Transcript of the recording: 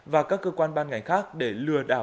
và các cơ quan ban ngành khác để lừa đảo